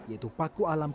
yaitu paku alam ke sepuluh